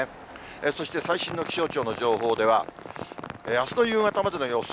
そして最新の気象庁の情報では、あすの夕方までの予想